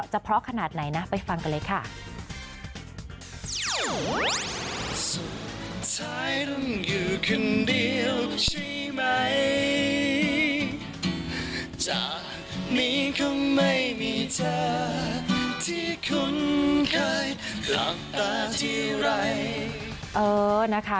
เพราะขนาดไหนนะไปฟังกันเลยค่ะ